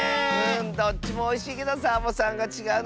どっちもおいしいけどサボさんがちがうのわかっちゃった。